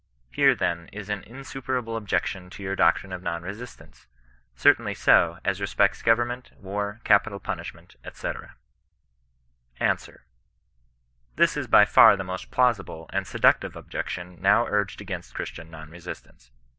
Here then is an insuperable objection to your doctrine of non resistance — certainly so, as re spects government, war, capital punishment, &c. Answer. — This is by far the most plausible and se ductive objection now urged against Christian non re sistance.